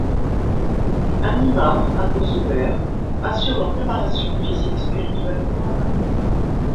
Un imam, Abou Zoubeir, assure leur préparation physique, spirituelle et mentale.